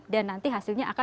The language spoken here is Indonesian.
dan nanti hasilnya apa